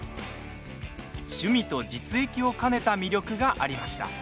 趣味と実益を兼ねた魅力がありました。